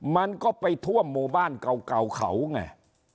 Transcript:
มันก็ไปท่วมหมู่บ้านเก่าเขาไง